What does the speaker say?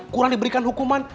kurang diberikan hukuman